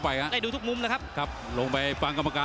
มีเมาไม่มีเมา